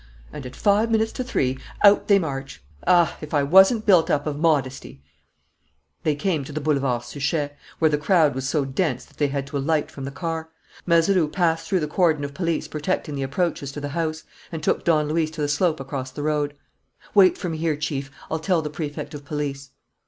And, at five minutes to three, out they march. Ah, if I wasn't built up of modesty " They came to the Boulevard Suchet, where the crowd was so dense that they had to alight from the car. Mazeroux passed through the cordon of police protecting the approaches to the house and took Don Luis to the slope across the road. "Wait for me here, Chief. I'll tell the Prefect of Police."